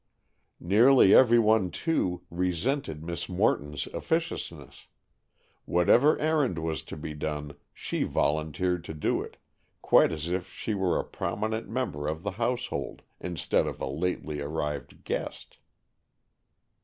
Nearly every one, too, resented Miss Morton's officiousness. Whatever errand was to be done, she volunteered to do it, quite as if she were a prominent member of the household, instead of a lately arrived guest.